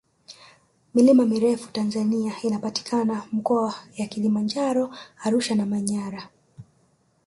milima mirefu tanzania inapatikana mikoa ya kilimanjaro arusha na manyara